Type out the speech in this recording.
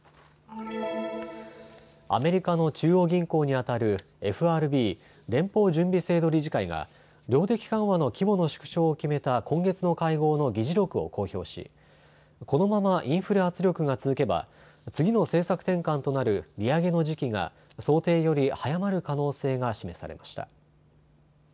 アメリカの中央銀行にあたる、ＦＲＢ・連邦準備制度理事会が量的緩和の規模の縮小を決めた今月の会合の議事録を公表しこのままインフレ圧力が続けば次の政策転換となる利上げの時期が想定より早まる可能性が示されました。